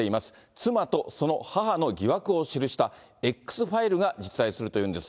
妻とその母の疑惑を記したＸファイルが実在するというんです。